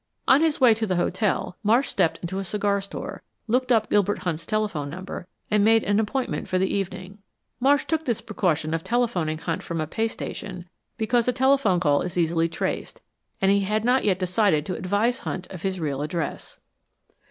On his way to the hotel, Marsh stepped into a cigar store, looked up Gilbert Hunt's telephone number, and made an appointment for the evening. Marsh took this precaution of telephoning Hunt from a pay station because a telephone call is easily traced, and he had not yet decided to advise Hunt of his real address.